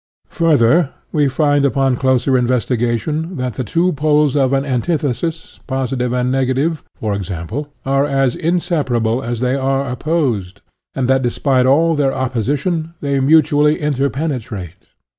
Further, we find upon closer investigation that the two poles of an antithesis, positive and negative, e. g., are as inseparable as they are opposed, and that despite all their oppo sition, they mutually interpenetrate.